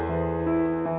gak ada apa apa